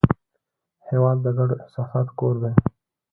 هېواد د ګډو احساساتو کور دی.